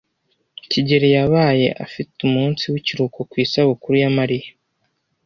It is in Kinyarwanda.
kigeli yabaye afite umunsi w'ikiruhuko ku isabukuru ya Mariya.